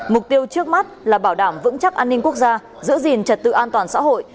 mục tiêu trước mắt là bảo đảm vững chắc an ninh quốc gia giữ gìn trật tự an toàn xã hội